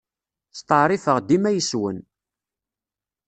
Steɛṛifeɣ dima yes-wen.